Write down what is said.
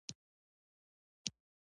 په پاریس کې وفات سو.